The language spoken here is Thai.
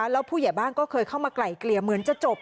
แล้วผู้ใหญ่บ้านก็เคยเข้ามาไกลเกลี่ยเหมือนจะจบ